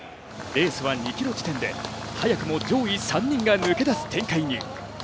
レースは２ｋｍ地点で早くも上位３人が抜け出す展開に。